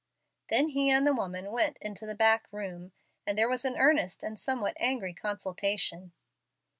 Then he and the woman went into the back room, and there was an earnest and somewhat angry consultation.